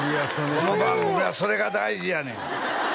この番組はそれが大事やねん